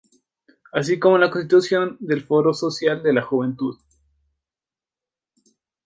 Así como en la constitución del Foro Social de la Juventud.